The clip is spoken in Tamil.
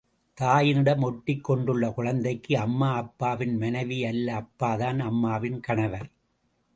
தாயினிடம் ஒட்டிக் கொண்டுள்ள குழந்தைக்கு அம்மா, அப்பாவின் மனைவி அல்ல அப்பாதான் அம்மாவின் கணவர்.